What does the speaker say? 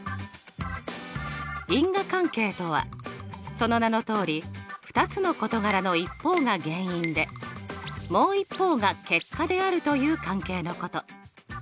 因果関係とはその名のとおり２つの事柄の一方が原因でもう一方が結果であるという関係のこと。